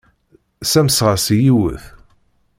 Ssamseɣ-as i yiwet.